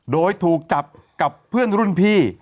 โดยถูกจับกับเพื่อนรุ่นพี่